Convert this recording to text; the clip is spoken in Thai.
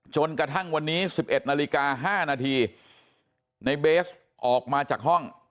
จนกระทั่งวันนี้๑๑นาฬิกา๕นาทีในเบสออกมาจากห้อง